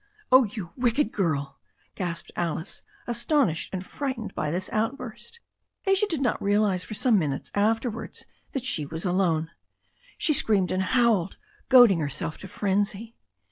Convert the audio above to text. "Oh, you wicked girl!" gasped Alice, astonished and frightened by this outburst. Asia did not realize for some minutes afterwards that she was alone. She screamed and howled, goading herself to frenzy.